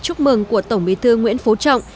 chúc mừng của tổng bí thư nguyễn phú trọng